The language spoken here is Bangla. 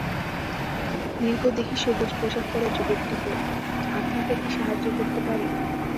দীর্ঘদেহী সবুজ পোশাক পরা যুবকটি বলল, আপনাকে কি সাহায্য করতে পারি?